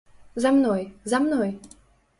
За мной, за мной.